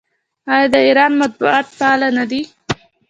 آیا د ایران مطبوعات فعال نه دي؟